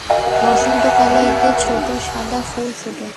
বসন্তকালে এতে ছোট্ট সাদা ফুল ফোটে।